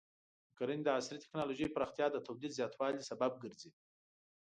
د کرنې د عصري ټکنالوژۍ پراختیا د تولید زیاتوالي سبب ګرځي.